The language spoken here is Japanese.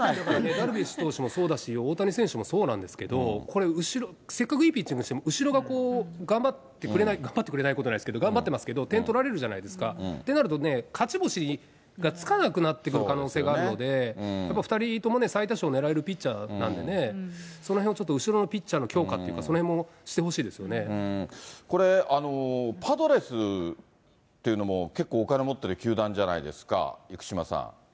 ダルビッシュ投手もそうだし、大谷選手もそうなんですけど、これ、後ろ、せっかくいいピッチングしても、後ろが頑張ってくれない、頑張ってくれないことないですけど、頑張ってますけど、点取られるじゃないですか、ってなるとね、勝ち星がつかなくなってくる可能性があるので、やっぱり２人とも最多勝狙えるピッチャーなんでね、そのへんをちょっと、後ろのピッチャーの強化っていうか、これ、パドレスというのも結構、お金持ってる球団じゃないですか、生島さん。